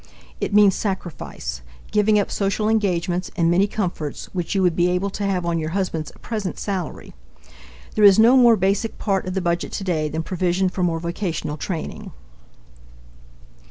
It means sacrifice giving up social engagements and many comforts which you would be able to have on your husband's present salary. There is no more basic part of the budget today than provision for more vocational training.